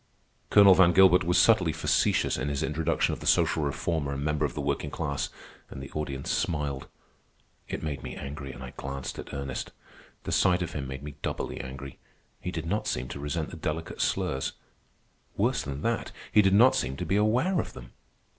Colonel Van Gilbert was subtly facetious in his introduction of the social reformer and member of the working class, and the audience smiled. It made me angry, and I glanced at Ernest. The sight of him made me doubly angry. He did not seem to resent the delicate slurs. Worse than that, he did not seem to be aware of them.